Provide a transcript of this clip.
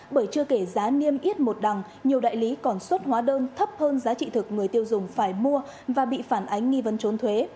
bởi chưa kể giá niêm yết một đằng nhiều đại lý còn xuất hóa đơn thấp hơn giá trị thực người tiêu dùng phải mua và bị phản ánh nghi vấn trốn thuế